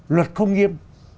luật không nghiêm